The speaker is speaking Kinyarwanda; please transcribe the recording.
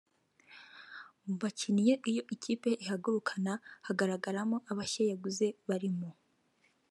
Mu bakinnyi iyo kipe ihagurukana hagaragaramo abashya yaguze barimo